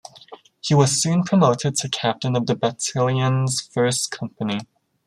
He was soon promoted to Captain of the battalion's first company.